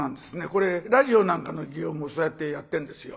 これラジオなんかの擬音もそうやってやってんですよ。